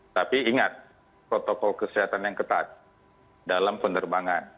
tapi ingat protokol kesehatan yang ketat dalam penerbangan